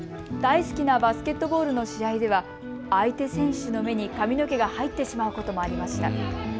大好きなバスケットボールの試合では相手選手の目に髪の毛が入ってしまうこともありました。